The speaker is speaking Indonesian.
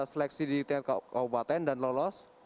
seleksi di tingkat kabupaten dan lolos